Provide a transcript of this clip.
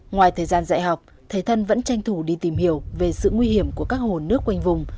ngoài thời gian dạy học thầy thân vẫn tranh thủ đi tìm hiểu về sự nguy hiểm của các hồ nước quanh vùng